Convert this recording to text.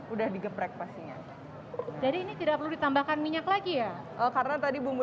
udah digeprek pastinya jadi ini tidak perlu ditambahkan minyak lagi ya karena tadi bumbu